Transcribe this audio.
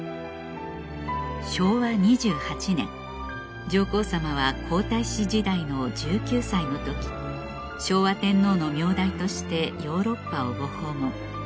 昭和２８年上皇さまは皇太子時代の１９歳の時昭和天皇の名代としてヨーロッパをご訪問